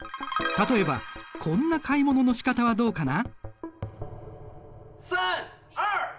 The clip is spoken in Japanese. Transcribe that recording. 例えばこんな買い物のしかたはどうかな？